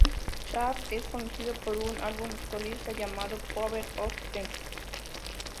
Shawn es conocido por su álbum solista llamado "Powers of Ten".